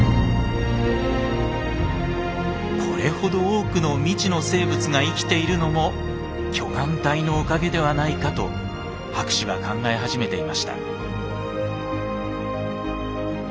これほど多くの未知の生物が生きているのも巨岩帯のおかげではないかと博士は考え始めていました。